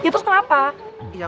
ya terus kenapa